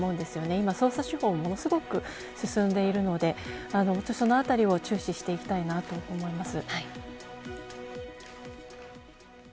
今、捜査手法はものすごく進んでいるのでそのあたりを注視していきたいと思います。